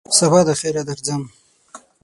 سبا دخیره درځم !